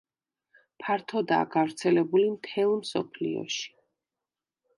ფართოდაა გავრცელებული მთელ მსოფლიოში.